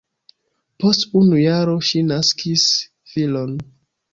Post unu jaro ŝi naskis filon.